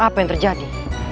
apa yang terjadi